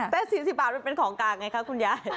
แต่๔๐บาทมันเป็นของกลางไงคะคุณยาย